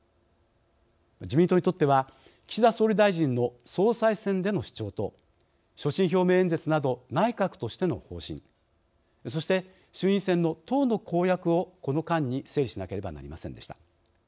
自民党にとっては岸田総理大臣の総裁選での主張と所信表明演説など内閣としての方針そして衆院選の党の公約をこの間に整理しなければなりませんでした。